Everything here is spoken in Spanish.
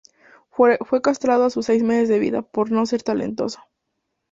Fue castrado a sus seis meses de vida por no ser talentoso.